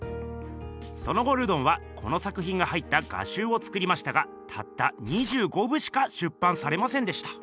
その後ルドンはこの作ひんが入った画集を作りましたがたった２５部しか出版されませんでした。